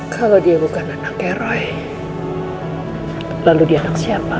kalau dia bukan anak eroy lalu dia anak siapa